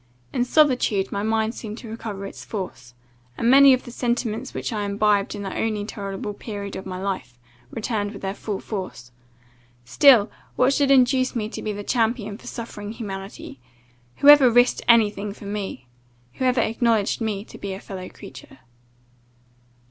In solitude my mind seemed to recover its force, and many of the sentiments which I imbibed in the only tolerable period of my life, returned with their full force. Still what should induce me to be the champion for suffering humanity? Who ever risked any thing for me? Who ever acknowledged me to be a fellow creature?"